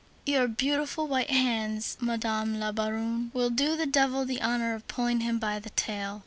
Your beautiful white hands, Madame la Baronne, will do the devil the honor of pulling him by the tail."